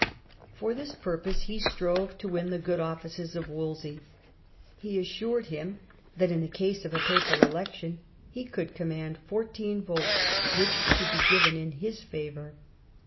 For this purpose he strove to win the good offices of Wolsey. He assured him that in case of a papal election he could command fourteen votes which should be given in his favour.